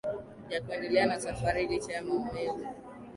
ya kuendelea na safari licha ya maumivu